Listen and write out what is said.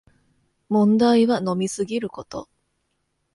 問題は飲みすぎること